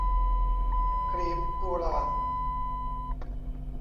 กลีบกุหลาบ